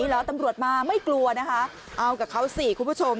เหรอตำรวจมาไม่กลัวนะคะเอากับเขาสิคุณผู้ชม